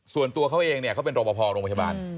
ส่วนตัวเขาเองเนี่ยเขาเป็นรอปภโรงพยาบาล